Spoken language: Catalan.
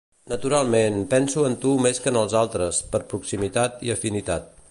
Naturalment, penso en tu més que en els altres, per proximitat i afinitat.